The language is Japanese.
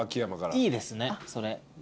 いいですねそれ。